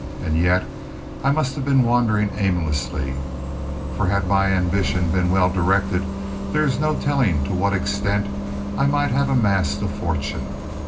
And yet I must have been wandering aimlessly, for had my ambition been well directed, there is no telling to what extent I might have amassed a fortune.